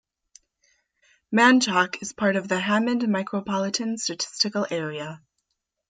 Manchac is part of the Hammond Micropolitan Statistical Area.